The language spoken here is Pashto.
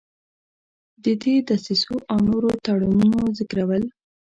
د دې دسیسو او نورو تړونونو ذکرول.